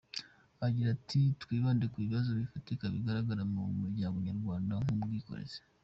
Agira ati “Twibanda ku bibazo bifatika bigaragara mu muryango Nyarwanda nk’ubwikorezi.